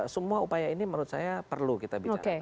semua upaya ini menurut saya perlu kita bicara